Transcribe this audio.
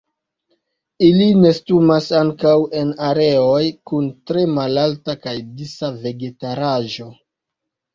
Ili nestumas ankaŭ en areoj kun tre malalta kaj disa vegetaĵaro.